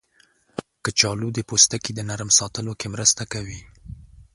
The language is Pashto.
کچالو د پوستکي د نرم ساتلو کې مرسته کوي.